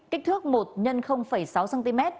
kích thước một x sáu cm